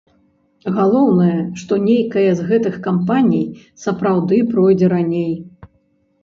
Галоўнае, што нейкая з гэтых кампаній сапраўды пройдзе раней.